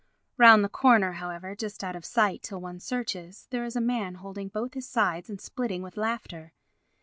Round the corner, however, just out of sight till one searches, there is a man holding both his sides and splitting with laughter.